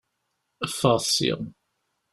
Ffɣet sya!